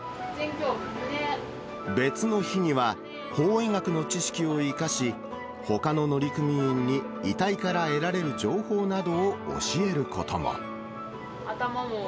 別の日には法医学の知識を生かし、ほかの乗組員に遺体から得られる情報などを教えることも。